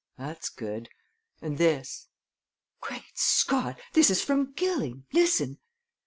That's good! And this Great Scott! This is from Gilling! Listen!